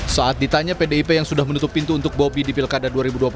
saat ditanya pdip yang sudah menutup pintu untuk bobi di pilkada dua ribu dua puluh